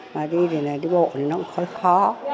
mà đi thì là đi bộ thì nó cũng khó